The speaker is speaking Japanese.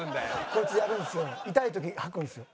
こいつやるんすよ。